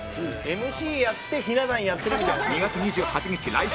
ＭＣやってひな壇やってるみたいな。